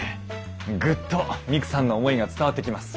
グッとミクさんの思いが伝わってきます。